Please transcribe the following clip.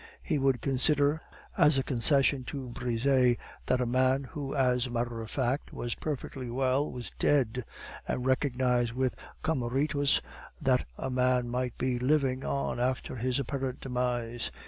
He would consider, as a concession to Brisset, that a man who, as a matter of fact, was perfectly well was dead, and recognize with Cameristus that a man might be living on after his apparent demise.